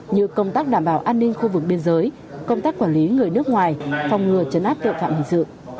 như công tác đảm bảo an ninh khu vực biên giới công tác quản lý người nước ngoài phòng ngừa chấn áp tội phạm hình sự